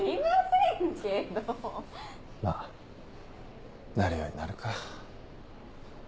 まぁなるようになるか。